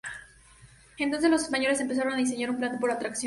Entonces, los españoles empezaron a diseñar un plan de atracción.